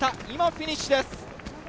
今、フィニッシュです。